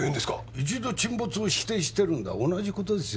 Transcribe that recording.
一度沈没を否定してるんだ同じことですよ